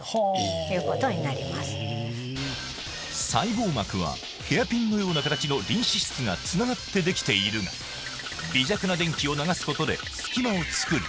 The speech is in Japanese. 細胞膜はヘアピンのような形のリン脂質がつながってできているが微弱な電気を流すことで隙間を作り